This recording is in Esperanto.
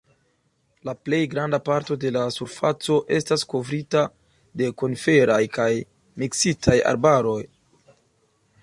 La plej granda parto de la surfaco estas kovrita de koniferaj kaj miksitaj arbaroj.